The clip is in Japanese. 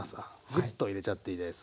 グッと入れちゃっていいです。